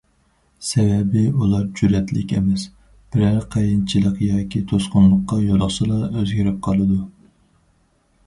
سەۋەبى ئۇلار جۈرئەتلىك ئەمەس، بىرەر قىيىنچىلىق ياكى توسقۇنلۇققا يولۇقسىلا ئۆزگىرىپ قالىدۇ.